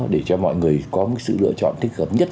để cho mọi người có một sự lựa chọn thích hợp nhất